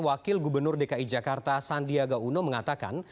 wakil gubernur dki jakarta sandiaga uno mengatakan